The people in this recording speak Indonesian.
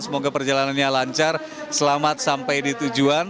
semoga perjalanannya lancar selamat sampai di tujuan